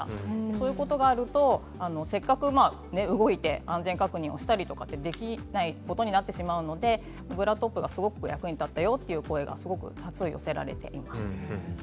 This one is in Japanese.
そういうことがあるとせっかく動いて安全確認をしたりができなくなってしまうのでブラトップがすごく役に立ったよという声が多数寄せられています。